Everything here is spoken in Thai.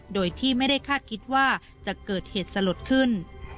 โดยที่ไม่ได้คาดคิดว่าจะเกิดเหตุสลดขึ้น